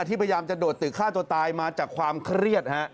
พยายามจะโดดตึกฆ่าตัวตายมาจากความเครียด